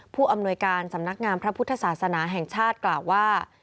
ผู้อำนวยการสำนักงามพระพุทธศาสนาแห่งชาติกล่าวว่า